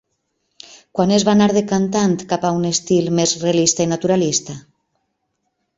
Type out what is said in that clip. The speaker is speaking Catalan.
Quan es va anar decantant cap a un estil més realista i naturalista?